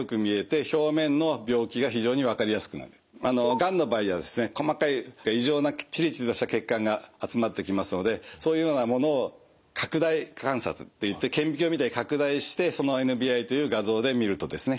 がんの場合はですね細かい異常なチリチリとした血管が集まってきますのでそういうようなものを拡大観察っていって顕微鏡みたいに拡大してそのＮＢＩという画像で見るとですね